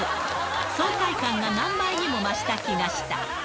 爽快感が何倍にも増した気がした。